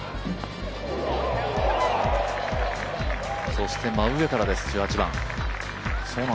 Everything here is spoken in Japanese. そして、真上から１８番。